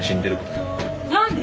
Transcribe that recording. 何で？